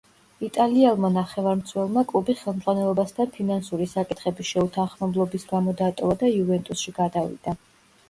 იტალიელმა ნახევარმცველმა კლუბი ხელმძღვანელობასთან ფინანსური საკითხების შეუთანხმებლობის გამო დატოვა და იუვენტუსში გადავიდა.